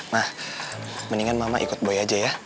nah mendingan mama ikut boy aja ya